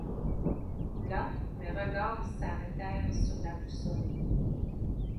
Là, mes regards s’arrêtèrent sur la boussole.